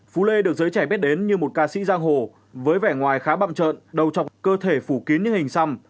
phú lê được giới trẻ biết đến như một ca sĩ giang hồ với vẻ ngoài khá bậm trợn đầu chọc cơ thể phủ kín như hình xăm